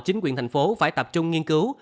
chính quyền thành phố phải tập trung nghiên cứu